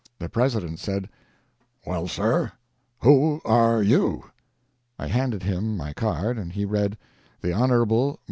The President said: "Well, sir, who are you?" I handed him my card, and he read: "The HON.